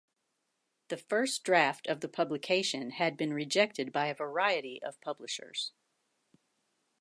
The first draft of the publication had been rejected by a variety of publishers.